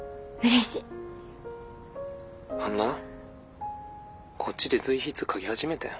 あんなこっちで随筆書き始めてん。